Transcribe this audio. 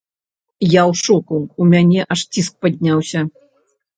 Я ў шоку, у мяне аж ціск падняўся.